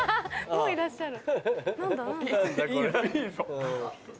もういらっしゃる。